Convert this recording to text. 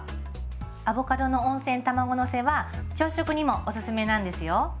アボカドの温泉卵のせは朝食にもおすすめなんですよ。